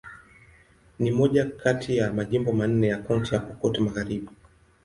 Ni moja kati ya majimbo manne ya Kaunti ya Pokot Magharibi.